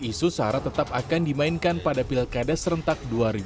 isu sara tetap akan dimainkan pada pilkada serentak dua ribu dua puluh